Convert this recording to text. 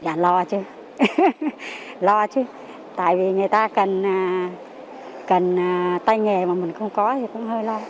và lo chứ lo chứ tại vì người ta cần tay nghề mà mình không có gì cũng hơi lo